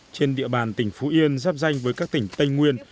trên địa bàn tỉnh phú yên giáp danh với các tỉnh tây nguyên